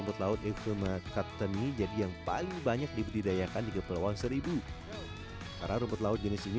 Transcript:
metode dasar ini juga bisa dilakukan dengan berat dan air asin